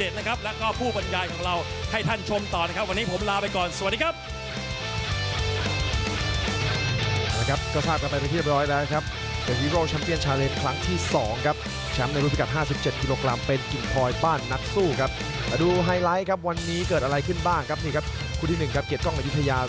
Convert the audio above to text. สุดครับผมไหนครับตี